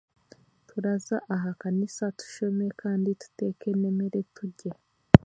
Turaza aha kanisa tushome kandi tuteeke emere turye